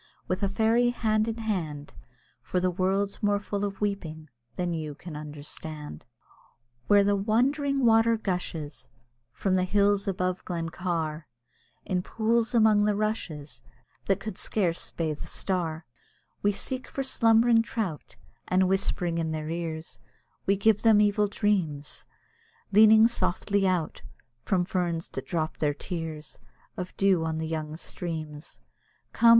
With a fairy hand in hand, For the world's more full of weeping than you can understand. Where the wandering water gushes From the hills above Glen Car, In pools among the rushes, That scarce could bathe a star, We seek for slumbering trout, And whispering in their ears; We give them evil dreams, Leaning softly out From ferns that drop their tears Of dew on the young streams. Come!